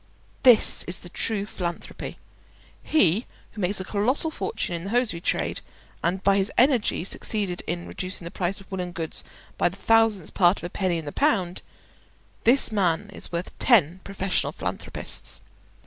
This is the true philanthropy. He who makes a colossal fortune in the hosiery trade, and by his energy has succeeded in reducing the price of woollen goods by the thousandth part of a penny in the pound—this man is worth ten professional philanthropists.